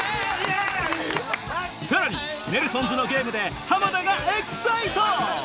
さらにネルソンズのゲームで浜田がエキサイト！